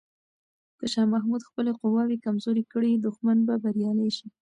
که شاه محمود خپلې قواوې کمزوري کړي، دښمن به بریالی شي.